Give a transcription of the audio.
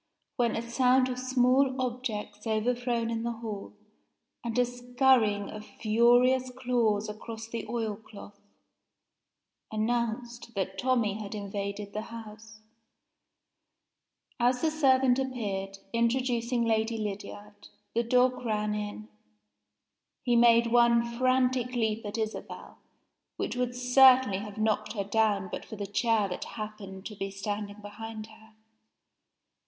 when a sound of small objects overthrown in the hall, and a scurrying of furious claws across the oil cloth, announced that Tommie had invaded the house. As the servant appeared, introducing Lady Lydiard, the dog ran in. He made one frantic leap at Isabel, which would certainly have knocked her down but for the chair that happened to be standing behind her.